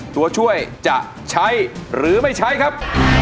ตัวช่วยจะใช้หรือไม่ใช้ครับ